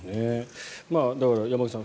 だから、山口さん